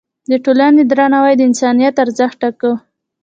د ټولنې درناوی د انسان ارزښت ټاکه.